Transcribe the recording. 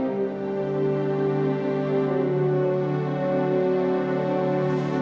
lagipula aku udah gak butuh siapa siapa lagi